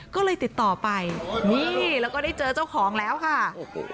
ก็เลยติดต่อไปนี่แล้วก็ได้เจอเจ้าของแล้วค่ะโอ้โห